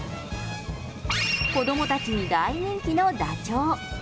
子どもたちに大人気のダチョウ。